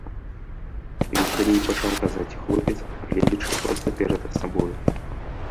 — весялей пачаў казаць хлопец, гледзячы проста перад сабою.